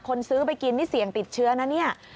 คนซื้อไปกินนี่เสี่ยงติดเชื้อนะเนี่ย